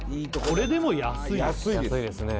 これでも安い安いですね・